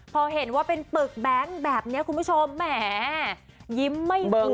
พอเห็นว่าเป็นปึกแบงค์แบบนี้คุณผู้ชมแหมยิ้มไม่มี